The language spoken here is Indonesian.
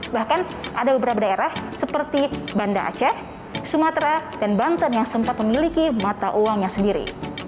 bahkan ada beberapa daerah seperti banda aceh sumatera dan banten yang sempat memiliki mata uangnya sendiri